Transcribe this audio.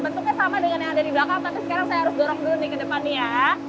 bentuknya sama dengan yang ada di belakang tapi sekarang saya harus dorong dulu nih ke depannya